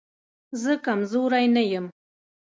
زه کمزوری نه يم